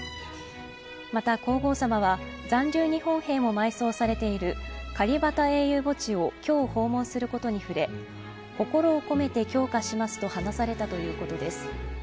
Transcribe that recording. また皇后さまは残留日本兵も埋葬されているカリバタ英雄墓地を今日、訪問することに触れ心を込めて供花しますと話されたということです。